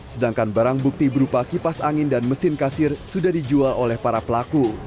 sedangkan barang bukti berupa kipas angin dan mesin kasir sudah dijual oleh para pelaku